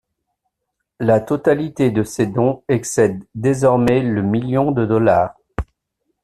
La totalité de ses dons excède désormais le million de dollars.